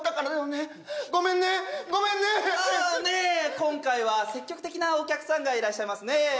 今回は積極的なお客さんがいらっしゃいますね